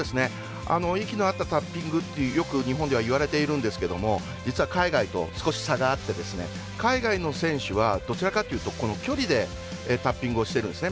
息の合ったタッピングとよく日本ではいわれているんですけども実は海外と少し差があって海外の選手はどちらかというと距離でタッピングをしているんです。